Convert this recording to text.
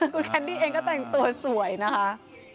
คุณแคนดี้เองก็แต่งตัวสวยนะคะ